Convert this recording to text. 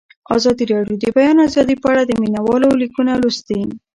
ازادي راډیو د د بیان آزادي په اړه د مینه والو لیکونه لوستي.